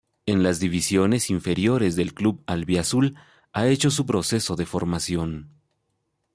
En las divisiones inferiores del club albiazul ha hecho su proceso de formación.